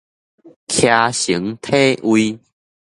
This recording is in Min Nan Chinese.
騎乘體位